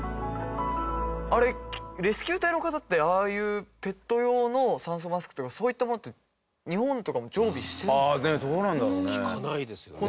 あれ、レスキュー隊の方ってああいうペット用の酸素マスクとかそういったものって日本とかも常備してるんですかね？